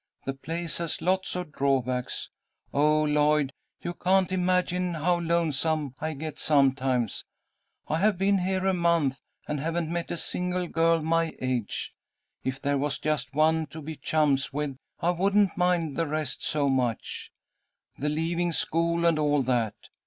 The place has lots of drawbacks. Oh, Lloyd, you can't imagine how lonesome I get sometimes. I have been here a month, and haven't met a single girl my age. If there was just one to be chums with I wouldn't mind the rest so much, the leaving school and all that.